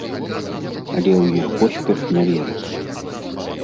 Але ў іх поспех не вераць.